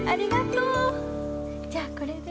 じゃあこれで。